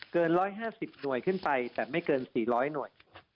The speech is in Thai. เกินร้อยห้าสิบหน่วยขึ้นไปแต่ไม่เกินสี่ร้อยหน่วย